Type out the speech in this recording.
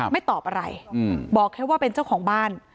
ไม่ตอบอะไรบอกแค่ว่าเป็นเจ้าของบ้าน